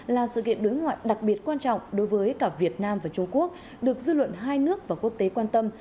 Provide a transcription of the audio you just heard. là sự kiện đối ngoại đặc biệt quan trọng đối với cả việt nam và trung quốc được dư luận hai nước và quốc tế quan tâm